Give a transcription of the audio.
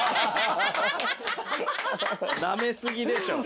なめ過ぎでしょ。